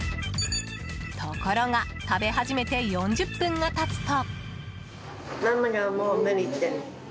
ところが食べ始めて４０分が経つと。